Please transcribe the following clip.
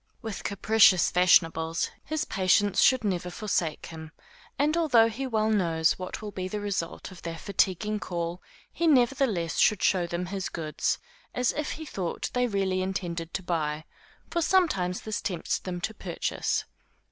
With capricious fashionables, his patience should never forsake him; and although he well knows what will be the result of their fatiguing call, he nevertheless should show them his goods, as if he thought they really intended to buy; for sometimes this tempts them to purchase.